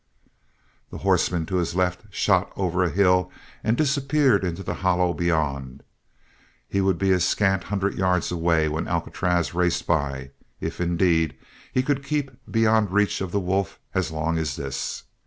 The horseman to his left shot over a hill and disappeared into the hollow beyond he would be a scant hundred yards away when Alcatraz raced by, if indeed he could keep beyond reach of the wolf as long as this.